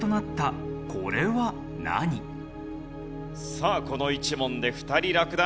さあこの１問で２人落第。